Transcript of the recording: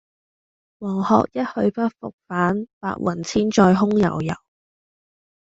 黃鶴一去不復返，白云千載空悠悠。